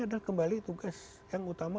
adalah kembali tugas yang utama